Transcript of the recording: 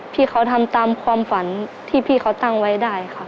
พี่เขาทำตามความฝันที่พี่เขาตั้งไว้ได้ค่ะ